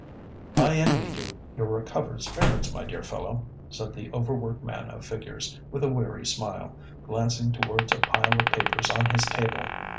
"I envy you your recovered spirits, my dear fellow," said the over worked man of figures, with a weary smile, glancing towards a pile of papers on his table.